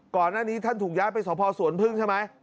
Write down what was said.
ก่อนหน้านี้ท่านถูกย้ายไปสพสวนพึ่งใช่ไหม